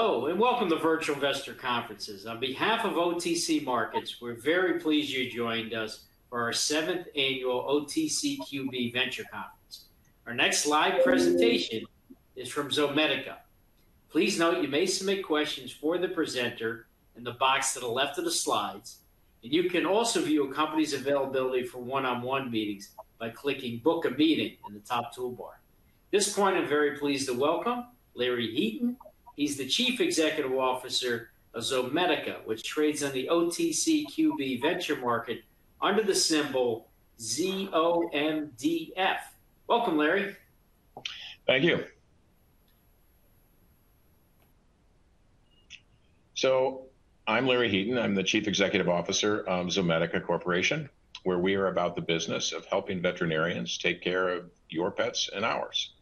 Hello and welcome to Virtual Investor Conferences. On behalf of OTC Markets, we're very pleased you joined us for our Seventh Annual OTCQB Venture Conference. Our next live presentation is from Zomedica. Please note you may submit questions for the presenter in the box to the left of the slides, and you can also view a company's availability for one-on-one meetings by clicking "Book a Meeting" in the top toolbar. At this point, I'm very pleased to welcome Larry Heaton. He's the Chief Executive Officer of Zomedica, which trades in the OTCQB Venture Market under the symbol ZOMDF. Welcome, Larry. Thank you. I'm Larry Heaton. I'm the Chief Executive Officer of Zomedica Corporation, where we are about the business of helping veterinarians take care of your pets and ours.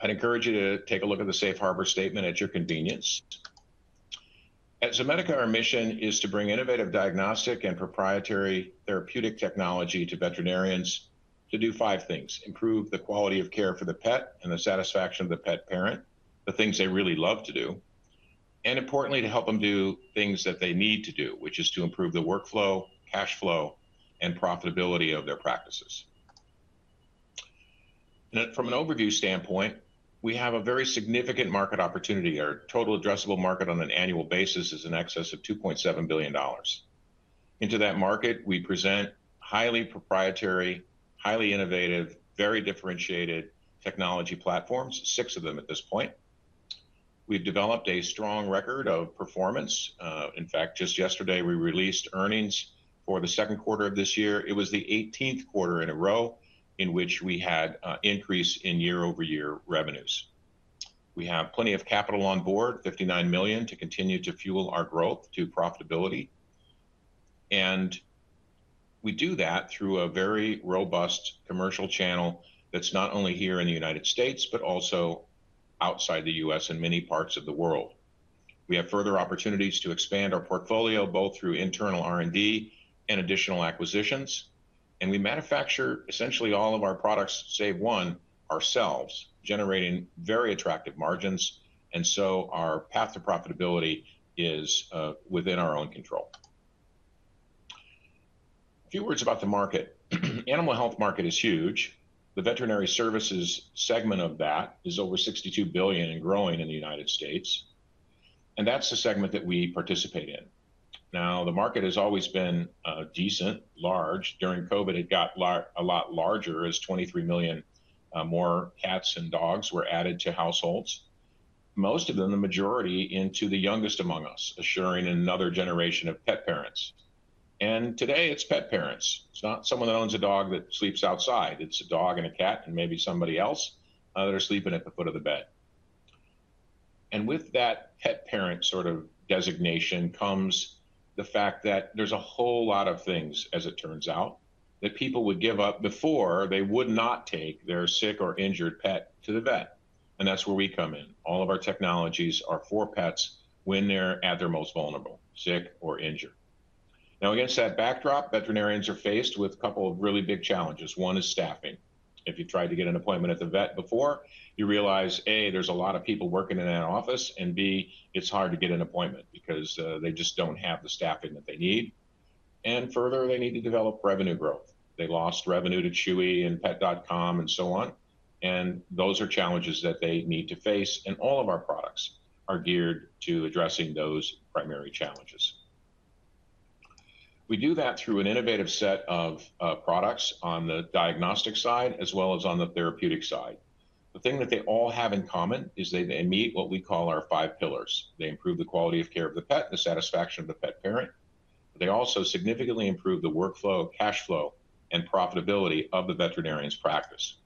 I'd encourage you to take a look at the safe harbor statement at your convenience. At Zomedica, our mission is to bring innovative diagnostic and proprietary therapeutic technology to veterinarians to do five things: improve the quality of care for the pet and the satisfaction of the pet parent, the things they really love to do, and importantly, to help them do things that they need to do, which is to improve the workflow, cash flow, and profitability of their practices. From an overview standpoint, we have a very significant market opportunity. Our total addressable market on an annual basis is in excess of $2.7 billion. Into that market, we present highly proprietary, highly innovative, very differentiated technology platforms, six of them at this point. We've developed a strong record of performance. In fact, just yesterday, we released earnings for the second quarter of this year. It was the 18th quarter in a row in which we had an increase in year-over-year revenues. We have plenty of capital on board, $59 million, to continue to fuel our growth to profitability. We do that through a very robust commercial channel that's not only here in the United States, but also outside the U.S. and many parts of the world. We have further opportunities to expand our portfolio both through internal R&D and additional acquisitions, and we manufacture essentially all of our products, save one, ourselves, generating very attractive margins. Our path to profitability is within our own control. A few words about the market. The animal health market is huge. The veterinary services segment of that is over $62 billion and growing in the United States, and that's the segment that we participate in. The market has always been decent, large. During COVID, it got a lot larger as 23 million more cats and dogs were added to households, most of them, the majority, into the youngest among us, assuring another generation of pet parents. Today, it's pet parents. It's not someone that owns a dog that sleeps outside. It's a dog and a cat and maybe somebody else that are sleeping at the foot of the bed. With that pet parent sort of designation comes the fact that there's a whole lot of things, as it turns out, that people would give up before they would not take their sick or injured pet to the vet. That's where we come in. All of our technologies are for pets when they're at their most vulnerable, sick or injured. Now, against that backdrop, veterinarians are faced with a couple of really big challenges. One is staffing. If you tried to get an appointment at the vet before, you realize, A, there's a lot of people working in that office, and B, it's hard to get an appointment because they just don't have the staffing that they need. Further, they need to develop revenue growth. They lost revenue to Chewy and pet.com and so on. Those are challenges that they need to face, and all of our products are geared to addressing those primary challenges. We do that through an innovative set of products on the diagnostic side as well as on the therapeutic side. The thing that they all have in common is that they meet what we call our five pillars. They improve the quality of care of the pet and the satisfaction of the pet parent. They also significantly improve the workflow, cash flow, and profitability of the veterinarian's practice.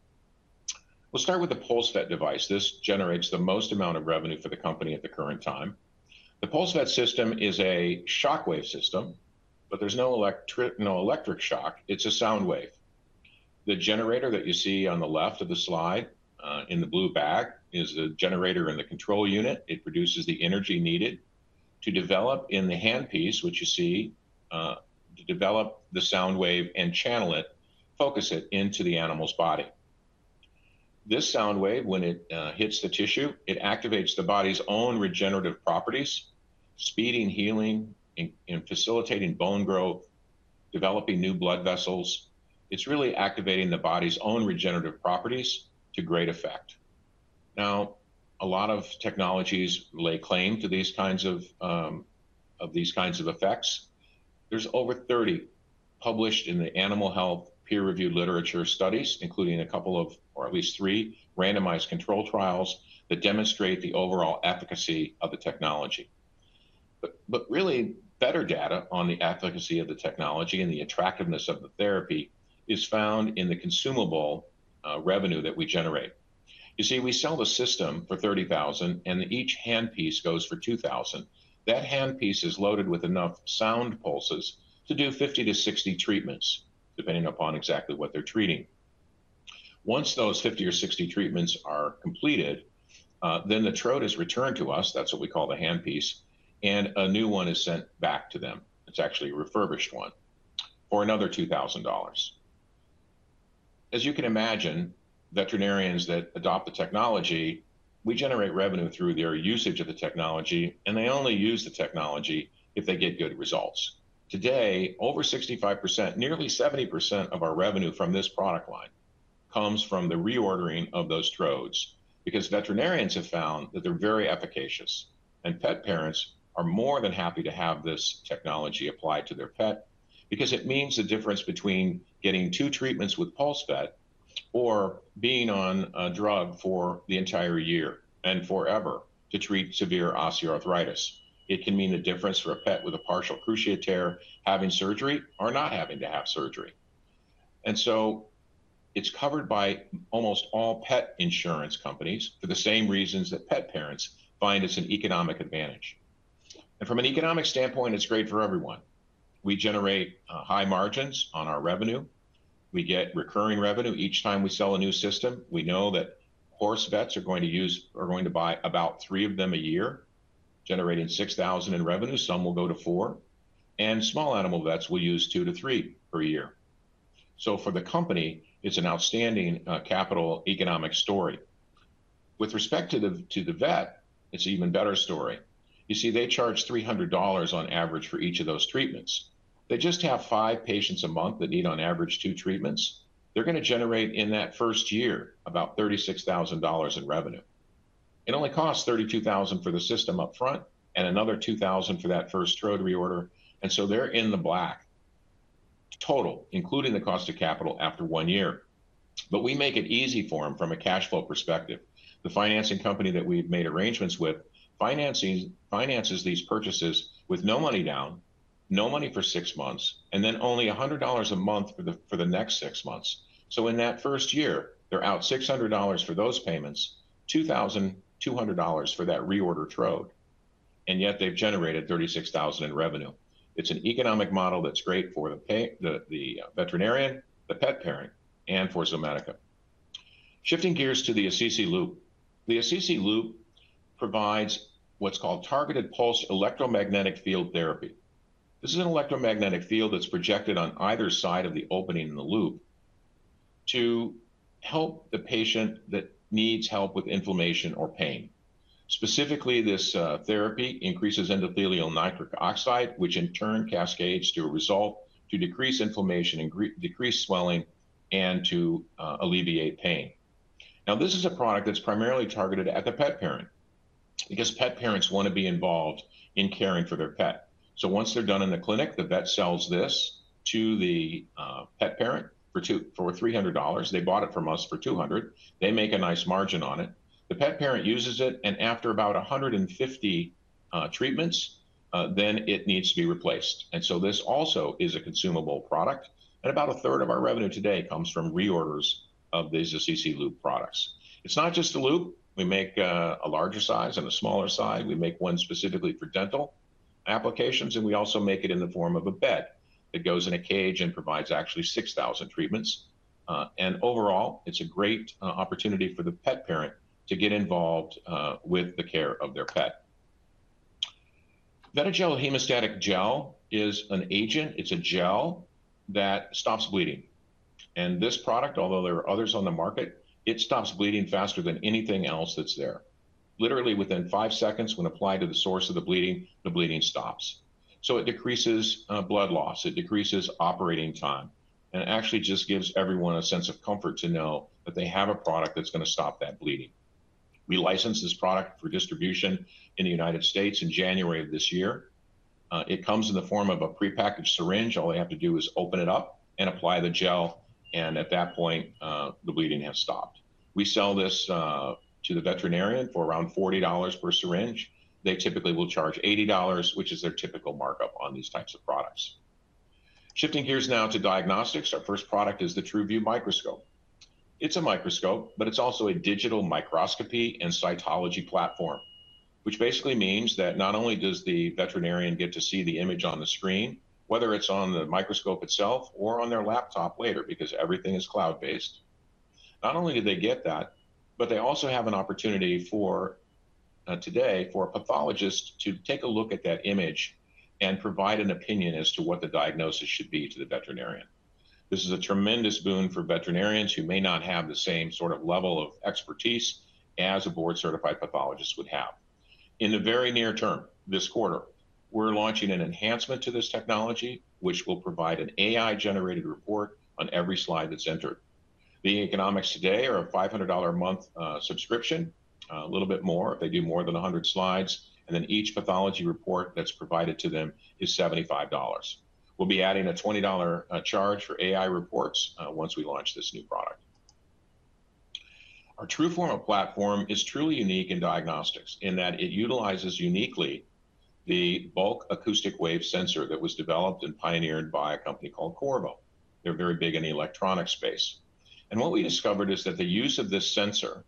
We'll start with the PulseVet device. This generates the most amount of revenue for the company at the current time. The PulseVet system is a shockwave system, but there's no electric shock. It's a sound wave. The generator that you see on the left of the slide in the blue bag is the generator in the control unit. It produces the energy needed to develop in the hand piece, which you see, to develop the sound wave and channel it, focus it into the animal's body. This sound wave, when it hits the tissue, activates the body's own regenerative properties, speeding healing and facilitating bone growth, developing new blood vessels. It's really activating the body's own regenerative properties to great effect. A lot of technologies lay claim to these kinds of effects. There are over 30 published in the animal health peer-reviewed literature studies, including at least three randomized control trials that demonstrate the overall efficacy of the technology. Better data on the efficacy of the technology and the attractiveness of the therapy is found in the consumable revenue that we generate. You see, we sell the system for $30,000, and each hand piece goes for $2,000. That hand piece is loaded with enough sound pulses to do 50-60 treatments, depending upon exactly what they're treating. Once those 50 or 60 treatments are completed, then the trode is returned to us. That's what we call the hand piece, and a new one is sent back to them. It's actually a refurbished one for another $2,000. As you can imagine, veterinarians that adopt the technology, we generate revenue through their usage of the technology, and they only use the technology if they get good results. Today, over 65%, nearly 70% of our revenue from this product line comes from the reordering of those trodes because veterinarians have found that they're very efficacious, and pet parents are more than happy to have this technology applied to their pet because it means the difference between getting two treatments with PulseVet or being on a drug for the entire year and forever to treat severe osteoarthritis. It can mean the difference for a pet with a partial cruciate tear having surgery or not having to have surgery. It's covered by almost all pet insurance companies for the same reasons that pet parents find it's an economic advantage. From an economic standpoint, it's great for everyone. We generate high margins on our revenue. We get recurring revenue each time we sell a new system. We know that horse vets are going to buy about three of them a year, generating $6,000 in revenue. Some will go to four, and small animal vets will use two to three per year. For the company, it's an outstanding capital economic story. With respect to the vet, it's an even better story. You see, they charge $300 on average for each of those treatments. They just have five patients a month that need on average two treatments. They're going to generate in that first year about $36,000 in revenue. It only costs $32,000 for the system upfront and another $2,000 for that first trode reorder. They're in the black total, including the cost of capital after one year. We make it easy for them from a cash flow perspective. The financing company that we've made arrangements with finances these purchases with no money down, no money for six months, and then only $100 a month for the next six months. In that first year, they're out $600 for those payments, $2,200 for that reorder trode, and yet they've generated $36,000 in revenue. It's an economic model that's great for the veterinarian, the pet parent, and for Zomedica. Shifting gears to the Assisi Loop. The Assisi Loop provides what's called targeted pulsed electromagnetic field therapy. This is an electromagnetic field that's projected on either side of the opening in the loop to help the patient that needs help with inflammation or pain. Specifically, this therapy increases endothelial nitric oxide, which in turn cascades to a result to decrease inflammation and decrease swelling and to alleviate pain. Now, this is a product that's primarily targeted at the pet parent because pet parents want to be involved in caring for their pet. Once they're done in the clinic, the vet sells this to the pet parent for $300. They bought it from us for $200. They make a nice margin on it. The pet parent uses it, and after about 150 treatments, it needs to be replaced. This also is a consumable product, and about a third of our revenue today comes from reorders of these Assisi Loop products. It's not just a loop. We make a larger size and a smaller size. We make one specifically for dental applications, and we also make it in the form of a bed that goes in a cage and provides actually 6,000 treatments. Overall, it's a great opportunity for the pet parent to get involved with the care of their pet. VETIGEL Hemostatic Gel is an agent. It's a gel that stops bleeding. This product, although there are others on the market, stops bleeding faster than anything else that's there. Literally, within five seconds when applied to the source of the bleeding, the bleeding stops. It decreases blood loss. It decreases operating time, and it actually just gives everyone a sense of comfort to know that they have a product that's going to stop that bleeding. We license this product for distribution in the United States in January of this year. It comes in the form of a prepackaged syringe. All they have to do is open it up and apply the gel, and at that point, the bleeding has stopped. We sell this to the veterinarian for around $40 per syringe. They typically will charge $80, which is their typical markup on these types of products. Shifting gears now to diagnostics, our first product is the TRUVIEW microscope. It's a microscope, but it's also a digital microscopy and cytology platform, which basically means that not only does the veterinarian get to see the image on the screen, whether it's on the microscope itself or on their laptop later, because everything is cloud-based. Not only do they get that, but they also have an opportunity today for a pathologist to take a look at that image and provide an opinion as to what the diagnosis should be to the veterinarian. This is a tremendous boon for veterinarians who may not have the same sort of level of expertise as a board-certified pathologist would have. In the very near term, this quarter, we're launching an enhancement to this technology, which will provide an AI-generated report on every slide that's entered. The economics today are a $500 a month subscription, a little bit more if they do more than 100 slides, and then each pathology report that's provided to them is $75. We'll be adding a $20 charge for AI reports once we launch this new product. Our TRUFORMA platform is truly unique in diagnostics in that it utilizes uniquely the bulk acoustic wave sensor that was developed and pioneered by a company called Qorvo. They're very big in the electronics space. What we discovered is that the use of this sensor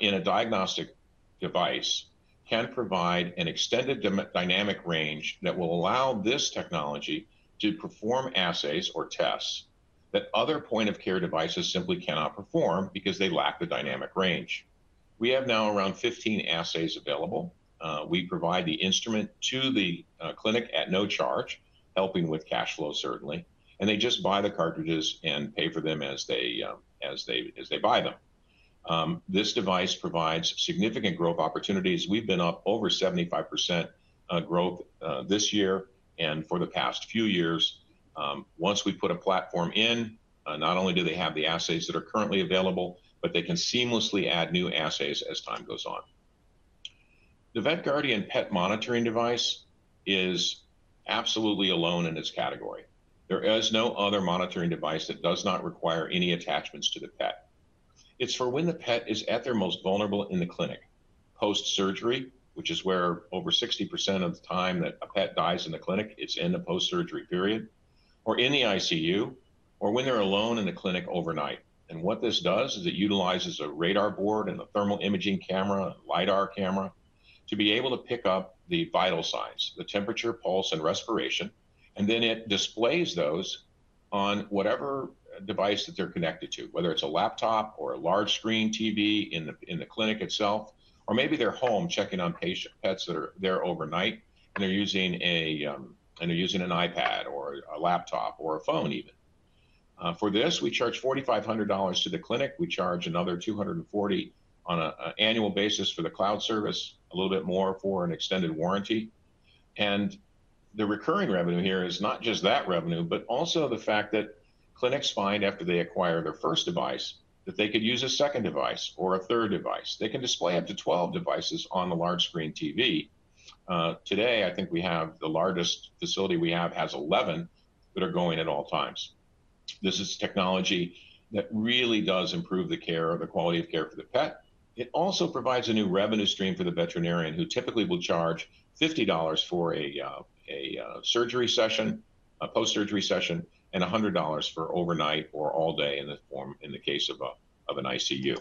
in a diagnostic device can provide an extended dynamic range that will allow this technology to perform assays or tests that other point-of-care devices simply cannot perform because they lack the dynamic range. We have now around 15 assays available. We provide the instrument to the clinic at no charge, helping with cash flow certainly, and they just buy the cartridges and pay for them as they buy them. This device provides significant growth opportunities. We've been up over 75% growth this year and for the past few years. Once we put a platform in, not only do they have the assays that are currently available, but they can seamlessly add new assays as time goes on. The VETGuardian pet monitoring device is absolutely alone in its category. There is no other monitoring device that does not require any attachments to the pet. It's for when the pet is at their most vulnerable in the clinic, post-surgery, which is where over 60% of the time that a pet dies in the clinic, it's in the post-surgery period, or in the ICU, or when they're alone in the clinic overnight. What this does is it utilizes a radar board and the thermal imaging camera, a LiDAR camera, to be able to pick up the vital signs, the temperature, pulse, and respiration, and then it displays those on whatever device that they're connected to, whether it's a laptop or a large screen TV in the clinic itself, or maybe they're home checking on patient pets that are there overnight, and they're using an iPad or a laptop or a phone even. For this, we charge $4,500 to the clinic. We charge another $240 on an annual basis for the cloud service, a little bit more for an extended warranty. The recurring revenue here is not just that revenue, but also the fact that clinics find after they acquire their first device that they could use a second device or a third device. They can display up to 12 devices on the large screen TV. Today, I think we have the largest facility we have has 11 that are going at all times. This is technology that really does improve the care or the quality of care for the pet. It also provides a new revenue stream for the veterinarian who typically will charge $50 for a surgery session, a post-surgery session, and $100 for overnight or all day in the form in the case of an ICU.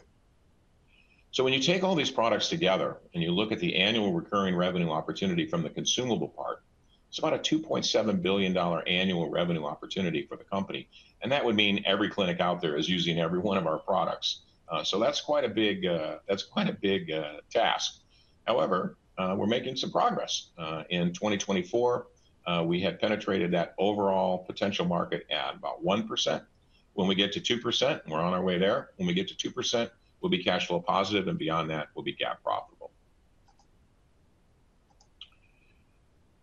When you take all these products together and you look at the annual recurring revenue opportunity from the consumable part, it's about a $2.7 billion annual revenue opportunity for the company, and that would mean every clinic out there is using every one of our products. That's quite a big task. However, we're making some progress. In 2024, we had penetrated that overall potential market at about 1%. When we get to 2%, and we're on our way there, when we get to 2%, we'll be cash flow positive, and beyond that, we'll be GAAP profitable.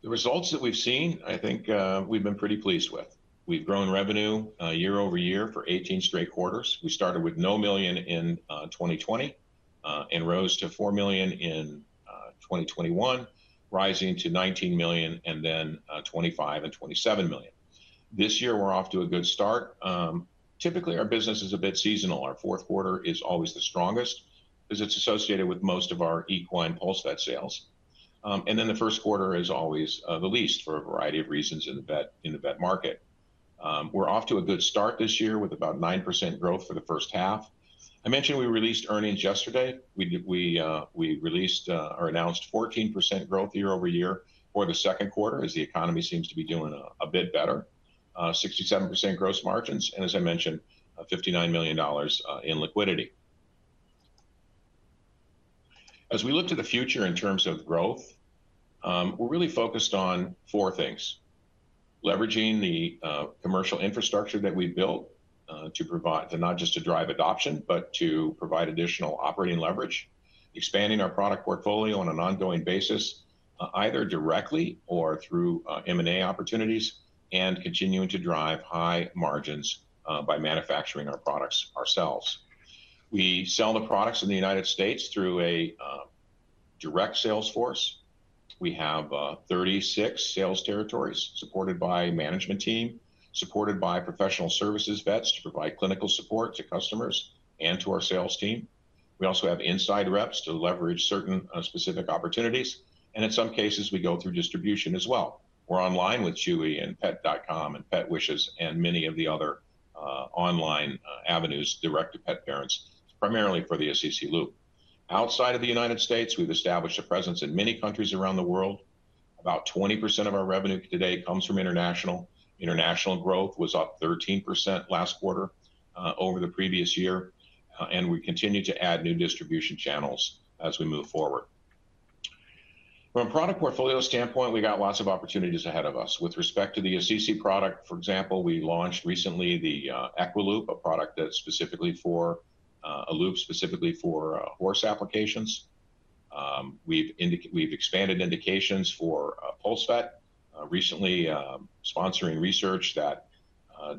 The results that we've seen, I think we've been pretty pleased with. We've grown revenue year-over-year for 18 straight quarters. We started with no million in 2020 and rose to $4 million in 2021, rising to $19 million and then $25 million and $27 million. This year, we're off to a good start. Typically, our business is a bit seasonal. Our fourth quarter is always the strongest because it's associated with most of our equine PulseVet sales, and the first quarter is always the least for a variety of reasons in the vet market. We're off to a good start this year with about 9% growth for the first half. I mentioned we released earnings yesterday. We released or announced 14% growth year-over-year for the second quarter as the economy seems to be doing a bit better, 67% gross margins, and as I mentioned, $59 million in liquidity. As we look to the future in terms of growth, we're really focused on four things: leveraging the commercial infrastructure that we've built to provide, not just to drive adoption, but to provide additional operating leverage, expanding our product portfolio on an ongoing basis, either directly or through M&A opportunities, and continuing to drive high margins by manufacturing our products ourselves. We sell the products in the United States through a direct sales force. We have 36 sales territories supported by a management team, supported by professional services vets to provide clinical support to customers and to our sales team. We also have inside reps to leverage certain specific opportunities, and in some cases, we go through distribution as well. We're online with Chewy and Pet.com and Pet Wishes and many of the other online avenues directed to pet parents, primarily for the Assisi Loop. Outside of the United States, we've established a presence in many countries around the world. About 20% of our revenue today comes from international. International growth was up 13% last quarter over the previous year, and we continue to add new distribution channels as we move forward. From a product portfolio standpoint, we got lots of opportunities ahead of us. With respect to the Assisi product, for example, we launched recently the EquiLOOP, a product that's specifically for a loop specifically for horse applications. We've expanded indications for PulseVet, recently sponsoring research that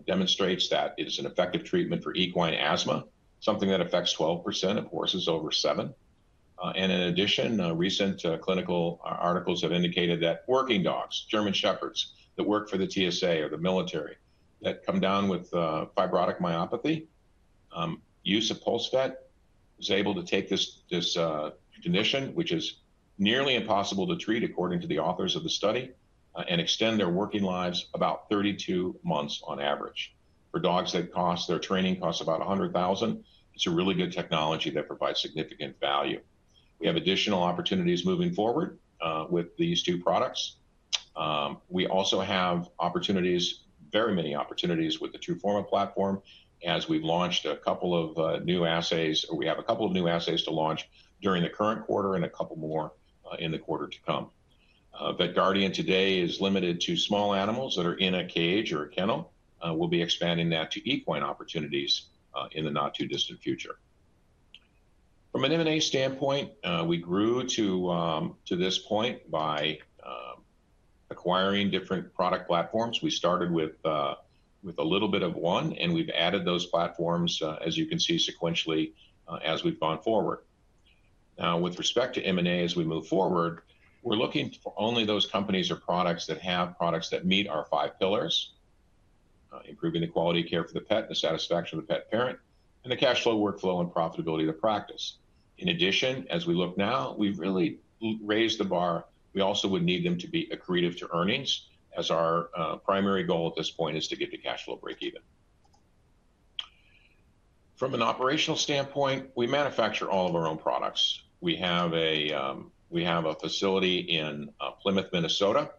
demonstrates that it is an effective treatment for equine asthma, something that affects 12% of horses over seven. In addition, recent clinical articles have indicated that working dogs, German Shepherds that work for the TSA or the military that come down with fibrotic myopathy, use a PulseVet, is able to take this condition, which is nearly impossible to treat according to the authors of the study, and extend their working lives about 32 months on average. For dogs, their training costs about $100,000. It's a really good technology that provides significant value. We have additional opportunities moving forward with these two products. We also have opportunities, very many opportunities with the TRUFORMA platform, as we've launched a couple of new assays. We have a couple of new assays to launch during the current quarter and a couple more in the quarter to come. VETGuardian today is limited to small animals that are in a cage or a kennel. We'll be expanding that to equine opportunities in the not-too-distant future. From an M&A standpoint, we grew to this point by acquiring different product platforms. We started with a little bit of one, and we've added those platforms, as you can see, sequentially as we've gone forward. Now, with respect to M&A as we move forward, we're looking for only those companies or products that have products that meet our five pillars: improving the quality of care for the pet, the satisfaction of the pet parent, and the cash flow, workflow, and profitability of the practice. In addition, as we look now, we've really raised the bar. We also would need them to be accretive to earnings as our primary goal at this point is to get the cash flow break even. From an operational standpoint, we manufacture all of our own products. We have a facility in Plymouth, Minnesota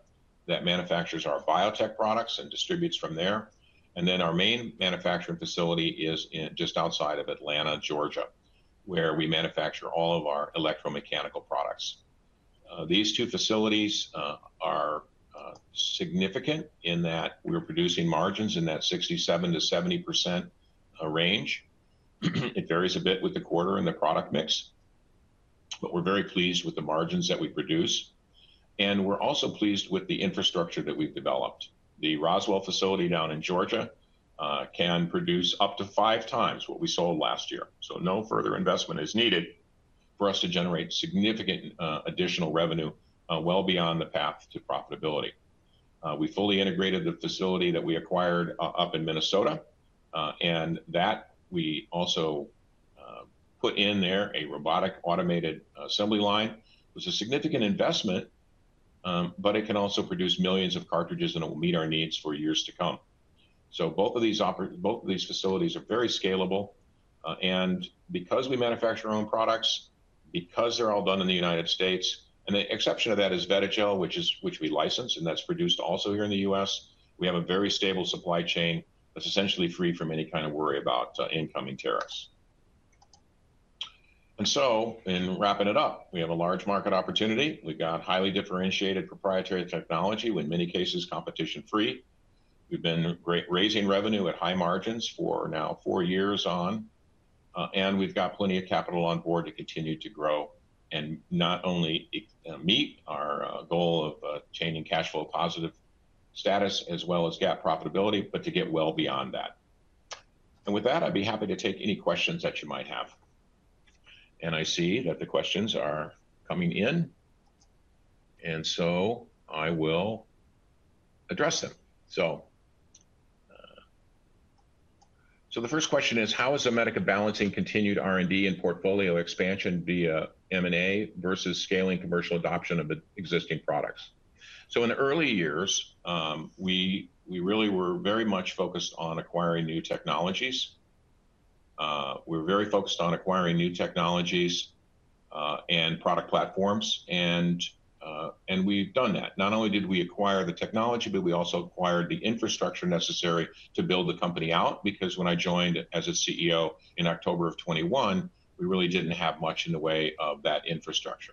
that manufactures our biotech products and distributes from there. Our main manufacturing facility is just outside of Atlanta, Georgia, where we manufacture all of our electromechanical products. These two facilities are significant in that we're producing margins in that 67%-70% range. It varies a bit with the quarter and the product mix, but we're very pleased with the margins that we produce. We're also pleased with the infrastructure that we've developed. The Roswell facility down in Georgia can produce up to five times what we sold last year. No further investment is needed for us to generate significant additional revenue well beyond the path to profitability. We fully integrated the facility that we acquired up in Minnesota, and we also put in there a robotic automated assembly line. It was a significant investment, but it can also produce millions of cartridges, and it will meet our needs for years to come. Both of these facilities are very scalable. Because we manufacture our own products, because they're all done in the United States, and the exception of that is VETIGEL, which we license, and that's produced also here in the U.S., we have a very stable supply chain that's essentially free from any kind of worry about incoming tariffs. In wrapping it up, we have a large market opportunity. We've got highly differentiated proprietary technology, in many cases competition-free. We've been raising revenue at high margins for now four years on, and we've got plenty of capital on board to continue to grow and not only meet our goal of attaining cash flow positive status as well as GAAP profitability, but to get well beyond that. With that, I'd be happy to take any questions that you might have. I see that the questions are coming in, and I will address them. The first question is, how has Zomedica balancing continued R&D and portfolio expansion via M&A versus scaling commercial adoption of existing products? In the early years, we really were very much focused on acquiring new technologies. We're very focused on acquiring new technologies and product platforms, and we've done that. Not only did we acquire the technology, but we also acquired the infrastructure necessary to build the company out because when I joined as CEO in October of 2021, we really didn't have much in the way of that infrastructure.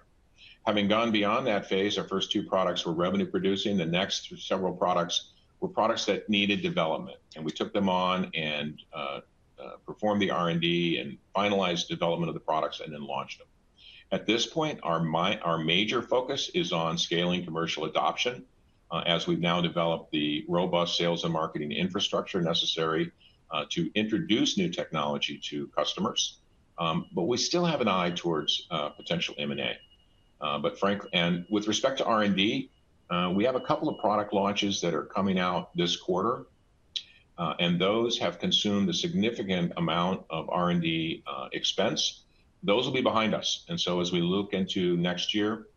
Having gone beyond that phase, our first two products were revenue-producing. The next several products were products that needed development, and we took them on and performed the R&D and finalized the development of the products and then launched them. At this point, our major focus is on scaling commercial adoption as we've now developed the robust sales and marketing infrastructure necessary to introduce new technology to customers. We still have an eye towards potential M&A. With respect to R&D, we have a couple of product launches that are coming out this quarter, and those have consumed a significant amount of R&D expense. Those will be behind us. As we look into next year,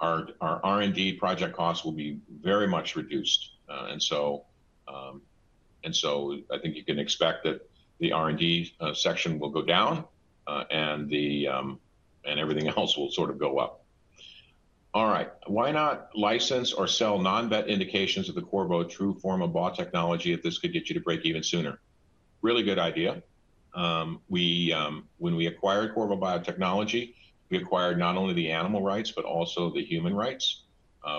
our R&D project costs will be very much reduced. I think you can expect that the R&D section will go down and everything else will sort of go up. All right, why not license or sell non-vet indications of the Qorvo TRUFORMA bulk acoustic wave technology if this could get you to break even sooner? Really good idea. When we acquired Qorvo Biotechnology, we acquired not only the animal rights, but also the human rights.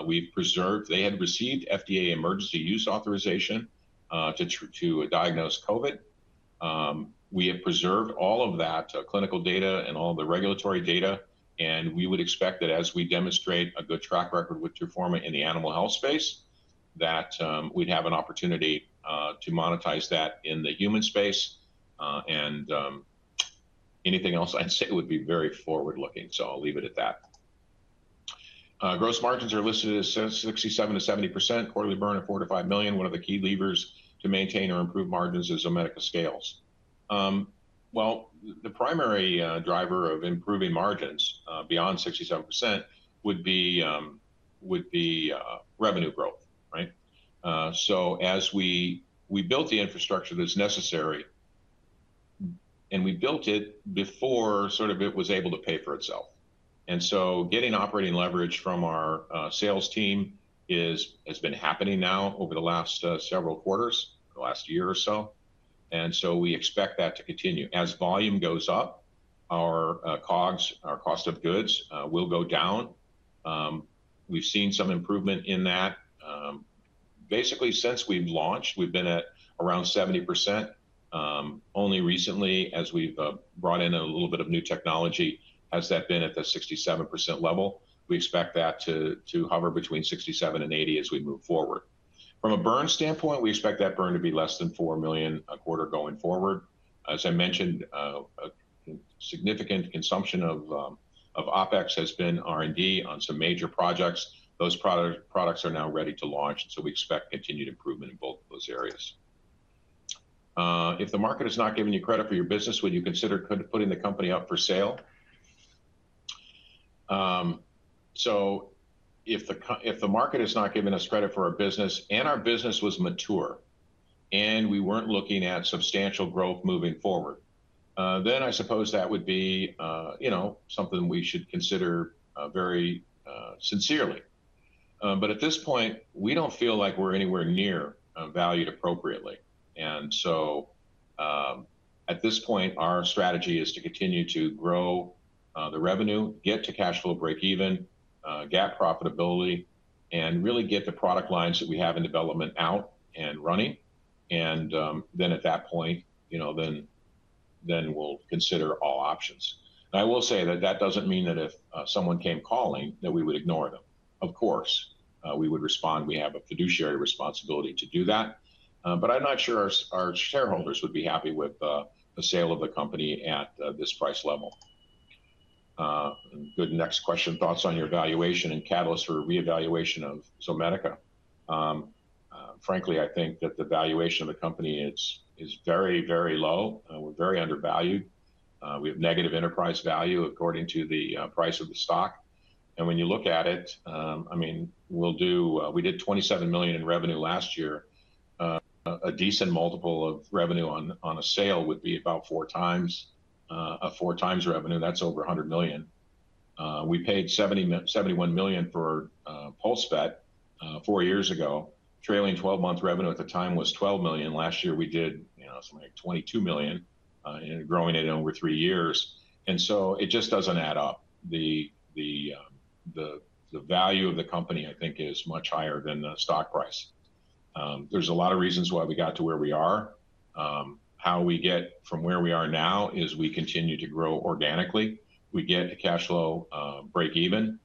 We preserved, they had received FDA emergency use authorization to diagnose COVID. We have preserved all of that clinical data and all the regulatory data, and we would expect that as we demonstrate a good track record with TRUFORMA in the animal health space, that we'd have an opportunity to monetize that in the human space. Anything else I'd say would be very forward-looking, so I'll leave it at that. Gross margins are listed at 67%-70%. Quarterly burn of $4 million-$5 million. One of the key levers to maintain or improve margins is as Zomedica scales. The primary driver of improving margins beyond 67% would be revenue growth, right? As we built the infrastructure that's necessary, we built it before it was able to pay for itself. Getting operating leverage from our sales team has been happening now over the last several quarters, the last year or so. We expect that to continue. As volume goes up, our COGS, our cost of goods, will go down. We've seen some improvement in that. Basically, since we launched, we've been at around 70%. Only recently, as we've brought in a little bit of new technology, has that been at the 67% level. We expect that to hover between 67% and 80% as we move forward. From a burn standpoint, we expect that burn to be less than $4 million a quarter going forward. As I mentioned, a significant consumption of OpEx has been R&D on some major projects. Those products are now ready to launch, and we expect continued improvement in both of those areas. If the market is not giving you credit for your business, would you consider putting the company up for sale? If the market is not giving us credit for our business and our business was mature and we weren't looking at substantial growth moving forward, then I suppose that would be something we should consider very sincerely. At this point, we don't feel like we're anywhere near valued appropriately. At this point, our strategy is to continue to grow the revenue, get to cash flow break even, GAAP profitability, and really get the product lines that we have in development out and running. At that point, then we'll consider all options. I will say that doesn't mean that if someone came calling that we would ignore them. Of course, we would respond. We have a fiduciary responsibility to do that. I'm not sure our shareholders would be happy with the sale of the company at this price level. Next question. Thoughts on your valuation and catalyst for reevaluation of Zomedica? Frankly, I think that the valuation of the company is very, very low. We're very undervalued. We have negative enterprise value according to the price of the stock. When you look at it, I mean, we did $27 million in revenue last year. A decent multiple of revenue on a sale would be about four times revenue. That's over $100 million. We paid $71 million for PulseVet four years ago. Trailing 12 months revenue at the time was $12 million. Last year, we did something like $22 million in growing it in over three years. It just doesn't add up. The value of the company, I think, is much higher than the stock price. There's a lot of reasons why we got to where we are. How we get from where we are now is we continue to grow organically. We get to cash flow break even.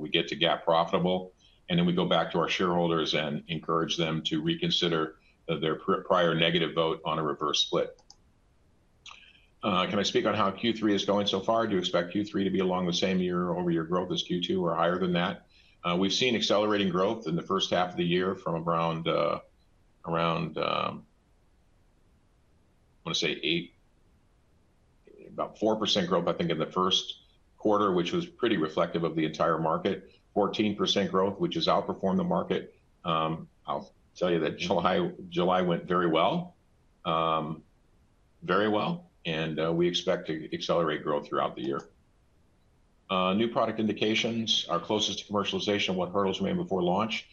We get to GAAP profitable. We go back to our shareholders and encourage them to reconsider their prior negative vote on a reverse split. Can I speak on how Q3 is going so far? Do you expect Q3 to be along the same year-over-year growth as Q2 or higher than that? We've seen accelerating growth in the first half of the year from around, I want to say about 4% growth, I think, in the first quarter, which was pretty reflective of the entire market. 14% growth, which has outperformed the market. I'll tell you that July went very well, very well. We expect to accelerate growth throughout the year. New product indications, our closest to commercialization, what hurdles remain before launch?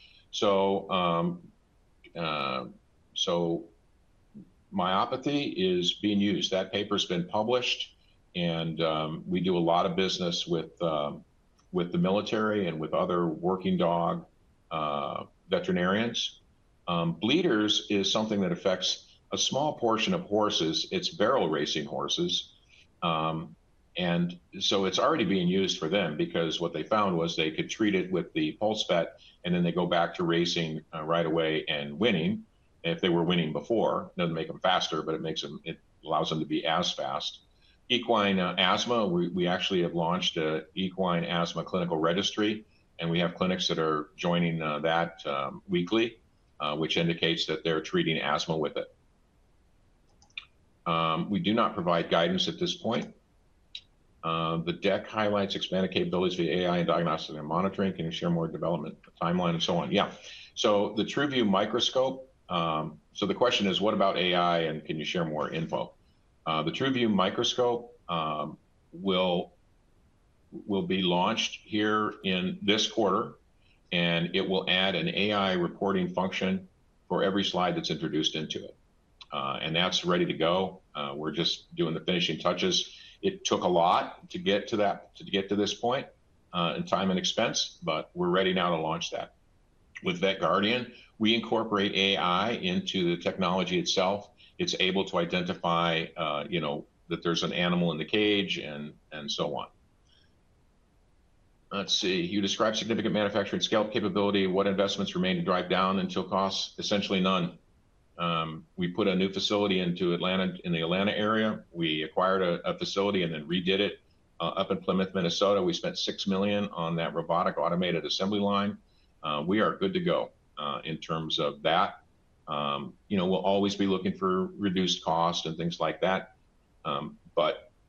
Myopathy is being used. That paper's been published, and we do a lot of business with the military and with other working dog veterinarians. Bleeders is something that affects a small portion of horses. It's barrel racing horses. It's already being used for them because what they found was they could treat it with the PulseVet, and they go back to racing right away and winning if they were winning before. It doesn't make them faster, but it allows them to be as fast. Equine asthma, we actually have launched an equine asthma clinical registry, and we have clinics that are joining that weekly, which indicates that they're treating asthma with it. We do not provide guidance at this point. The deck highlights expanded capabilities for the AI and diagnostics and monitoring. Can you share more development timeline and so on? Yeah. The TRUVIEW microscope, so the question is, what about AI, and can you share more info? The TRUVIEW microscope will be launched here in this quarter, and it will add an AI reporting function for every slide that's introduced into it. That's ready to go. We're just doing the finishing touches. It took a lot to get to this point in time and expense, but we're ready now to launch that. With VETGuardian, we incorporate AI into the technology itself. It's able to identify, you know, that there's an animal in the cage and so on. You describe significant manufacturing scale capability. What investments remain to drag down unit costs? Essentially none. We put a new facility into the Atlanta area. We acquired a facility and then redid it up in Plymouth, Minnesota. We spent $6 million on that robotic automated assembly line. We are good to go in terms of that. We'll always be looking for reduced costs and things like that.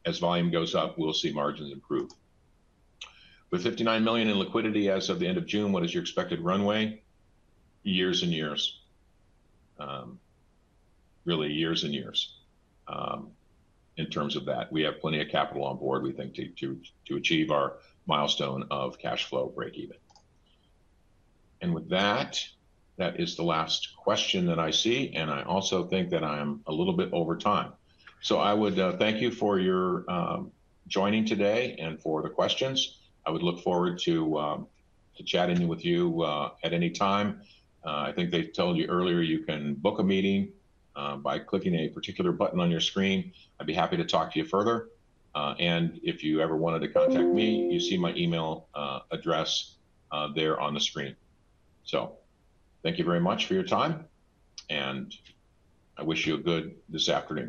As volume goes up, we'll see margins improve. With $59 million in liquidity as of the end of June, what is your expected runway? Years and years. Really, years and years in terms of that. We have plenty of capital on board, we think, to achieve our milestone of cash flow break even. That is the last question that I see. I also think that I am a little bit over time. I would thank you for joining today and for the questions. I would look forward to chatting with you at any time. I think they told you earlier you can book a meeting by clicking a particular button on your screen. I'd be happy to talk to you further. If you ever wanted to contact me, you see my email address there on the screen. Thank you very much for your time, and I wish you a good afternoon.